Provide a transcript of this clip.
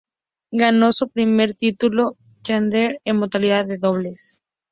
Ganó su primer título challenger en modalidad de dobles.